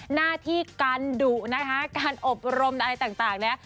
หน้าที่การดุนะคะการอบรมอะไรต่างเนี่ย